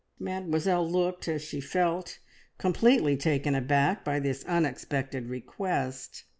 Mademoiselle looked, as she felt, completely taken aback by this unexpected request.